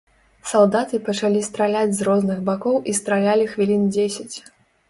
Салдаты пачалі страляць з розных бакоў і стралялі хвілін дзесяць.